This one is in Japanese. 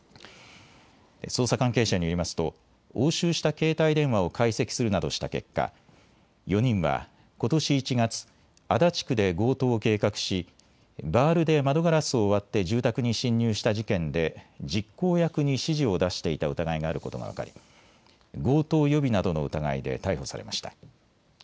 捜査関係者によりますと押収した携帯電話を解析するなどした結果、４人はことし１月、足立区で強盗を計画しバールで窓ガラスを割って住宅に侵入した事件で実行役に指示を出していた疑いがあることが分かり、強盗予備などの疑いで逮捕されました。